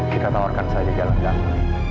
kita tawarkan saja jalan jalan